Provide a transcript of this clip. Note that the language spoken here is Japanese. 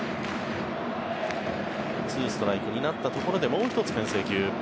２ストライクになったところでもう１つ、けん制球。